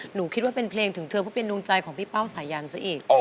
หนูคิดว่าเป็นเพลงถึงเธอเพื่อเป็นดวงใจของพี่เป้าสายันซะอีก